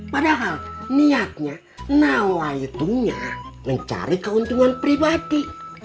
padahal niatnya nawaitungnya mencari keuntungan pribadi